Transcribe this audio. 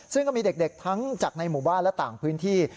ซึ่งก็มีเด็กทั้งจากในหมู่บ้านและต่างพื้นที่